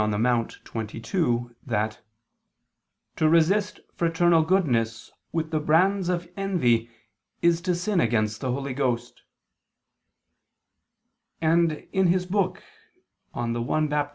in Monte xxii), that "to resist fraternal goodness with the brands of envy is to sin against the Holy Ghost," and in his book De unico Baptismo (De Bap.